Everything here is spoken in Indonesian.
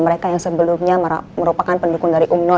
mereka yang sebelumnya merupakan pendukung dari umno